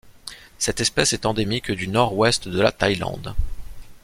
Cette espèce est endémique du Nord-Ouest de la Thaïlande.